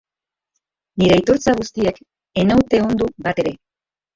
Nire aitortza guztiek ez naute ondu batere.